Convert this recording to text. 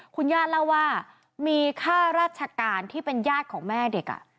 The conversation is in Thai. คุณย่าเล่าว่ามีค่าราชการที่เป็นญาติของแม่เด็ก